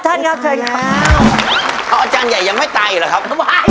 อาจารย์ใหญ่ยังไม่ไตหรอครับ